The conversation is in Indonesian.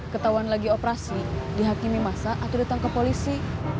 ketauan lagi operasi dihakimi masa atau datang ke polisi